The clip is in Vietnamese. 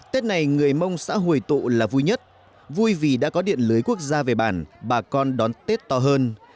tết này người mông xã hồi tụ là vui nhất vui vì đã có điện lưới quốc gia về bản bà con đón tết to hơn